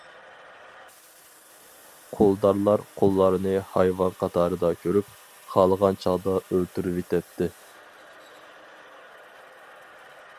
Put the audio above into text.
قۇلدارلار قۇللارنى ھايۋان قاتارىدا كۆرۈپ، خالىغان چاغدا ئۆلتۈرۈۋېتەتتى.